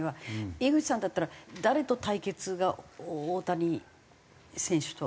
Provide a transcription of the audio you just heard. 井口さんだったら誰と対決が大谷選手と楽しみですか？